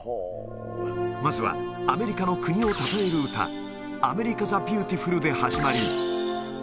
まずは、アメリカの国をたたえる歌、アメリカ・ザ・ビューティフルで始まり。